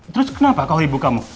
terus kenapa kau ibu kamu